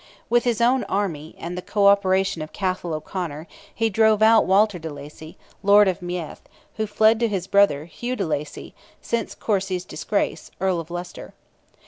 With his own army, and the co operation of Cathal O'Conor, he drove out Walter de Lacy, Lord of Meath, who fled to his brother, Hugh de Lacy, since de Courcy's disgrace, Earl of Ulster.